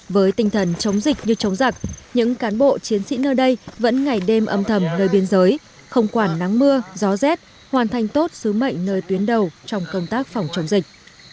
với tinh thần chống dịch như chống giặc những cán bộ chiến sĩ nơi đây vẫn ngày đêm âm thầm nơi biên giới không quản nắng mưa gió rét hoàn thành tốt sứ mệnh nơi tuyến đầu trong công tác phòng chống dịch